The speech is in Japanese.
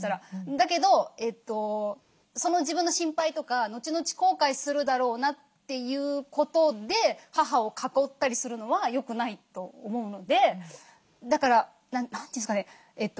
だけどその自分の心配とかのちのち後悔するだろうなということで母を囲ったりするのは良くないと思うのでだから何て言うんですかね